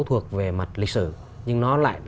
thuộc về mặt lịch sử nhưng nó lại